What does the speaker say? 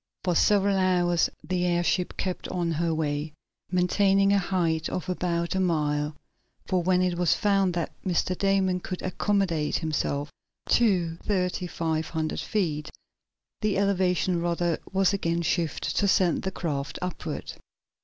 For several hours the airship kept on her way, maintaining a height of about a mile, for when it was found that Mr. Damon could accommodate himself to thirty five hundred feet the elevation rudder was again shifted to send the craft upward.